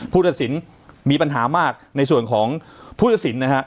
ผู้ทศิลป์มีปัญหามากในส่วนของผู้ทศิลป์นะฮะ